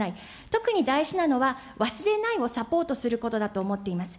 特に大事なのは、忘れないをサポートすることだと思っています。